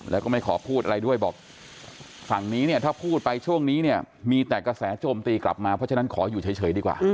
แล้วก็ไม่ขอพูดอะไรด้วยบอกฝั่งนี้เนี่ยถ้าพูดไปช่วงนี้เนี่ยมีแต่กระแสโจมตีกลับมาเพราะฉะนั้นขออยู่เฉยดีกว่า